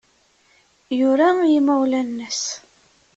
Yura i yimawlan-nnes.